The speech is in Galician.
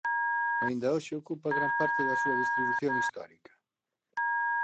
Aínda hoxe ocupa gran parte da súa distribución histórica.